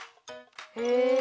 へえ！